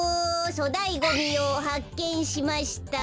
そだいゴミをはっけんしました。